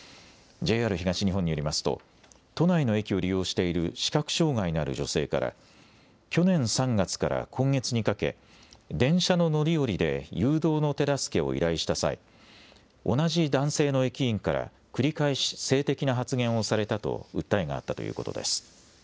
ＪＲ東日本によりますと都内の駅を利用している視覚障害のある女性から去年３月から今月にかけ電車の乗り降りで誘導の手助けを依頼した際、同じ男性の駅員から繰り返し性的な発言をされたと訴えがあったということです。